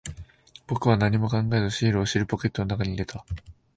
僕は何も考えず、シールを尻ポケットの中に入れた。